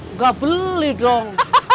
nggak beli dong